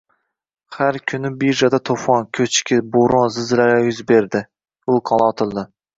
Shu kuni birjada to`fon, ko`chki, bo`ron, zilzilalar yuz berdi, vulqonlar otildi